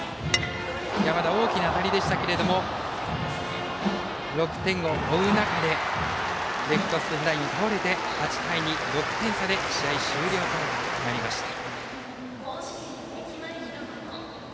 山田、大きな当たりでしたけども６点を追う中でレフトフライに倒れて８対２６点差で試合終了となりました。